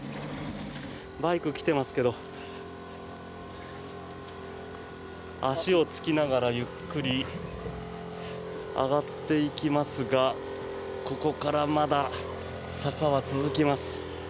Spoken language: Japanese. バイク来てますけど足をつきながらゆっくり上がっていきますがここからまだ坂は続きます。